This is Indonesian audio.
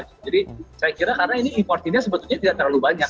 jadi saya kira karena ini importirnya sebetulnya tidak terlalu banyak